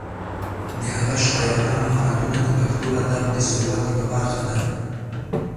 د هغه شاعرانه مهارتونه د پښتو ادب د ثروت یوه برخه ده.